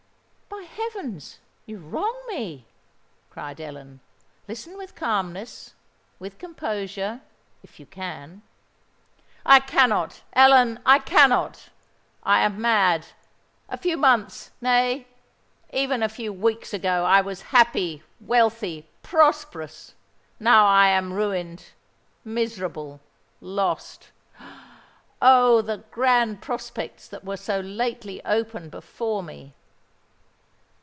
"By heavens, you wrong me!" cried Ellen. "Listen with calmness—with composure—if you can!" "I cannot, Ellen—I cannot! I am mad! A few months—nay, even a few weeks ago, I was happy—wealthy—prosperous:—now I am ruined—miserable—lost! Oh! the grand prospects that were so lately open before me!"